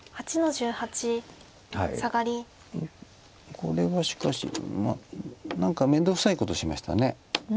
これはしかし何かめんどくさいことしました。